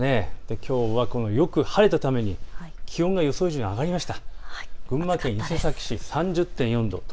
きょうはよく晴れたために気温の予想の数字が上がりました。